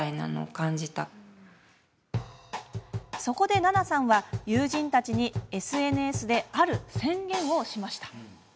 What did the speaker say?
そこで、奈々さんは友人たちにＳＮＳである宣言をしました。